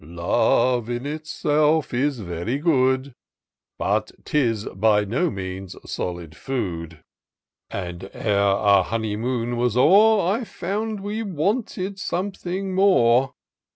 " Love, in itself, is very good. But, 'tis by no means, solid food; And, ere our honey inoon was o'er, I found we wanted something more.